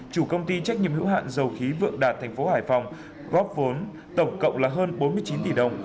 chủ công ty trách nhiệm hữu hạn dầu khí vượng đạt thành phố hải phòng góp vốn tổng cộng là hơn bốn mươi chín tỷ đồng